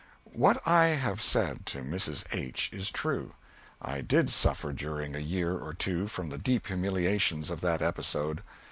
What I have said to Mrs. H. is true. I did suffer during a year or two from the deep humiliations of that episode.